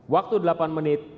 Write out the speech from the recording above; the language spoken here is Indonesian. waktu delapan menit